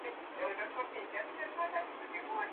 wajibu wa kuwatunza yatima unabaki kwa serikali